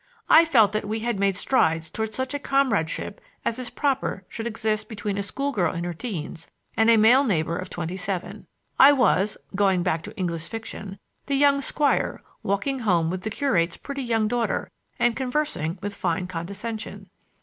I felt that we had made strides toward such a comradeship as it is proper should exist between a school girl in her teens and a male neighbor of twenty seven. I was—going back to English fiction—the young squire walking home with the curate's pretty young daughter and conversing with fine condescension.